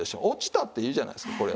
落ちたっていいじゃないですか。